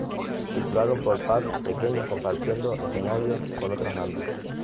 Circularon por pubs pequeños compartiendo escenarios con otras bandas.